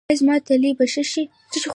ایا زما تلي به ښه شي؟